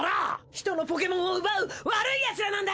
人のポケモンを奪う悪いヤツらなんだ！